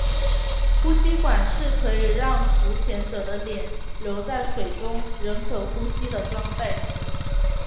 呼吸管是可让浮潜者的脸留在水中仍可呼吸的装备。